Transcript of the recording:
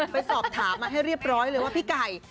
ไปสอบถามมาให้เรียบร้อยเลยว่าพี่ไก่